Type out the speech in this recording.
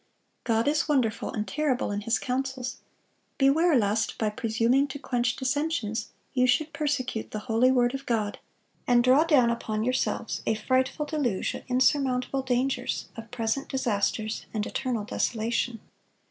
God is wonderful and terrible in His counsels; beware lest, by presuming to quench dissensions, you should persecute the holy word of God, and draw down upon yourselves a frightful deluge of insurmountable dangers, of present disasters, and eternal desolation....